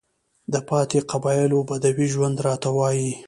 د پاتې قبايلو بدوى ژوند راته وايي،